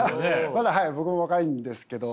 まだはい僕も若いんですけど。